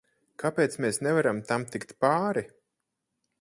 Kāpēc mēs nevaram tam tikt pāri?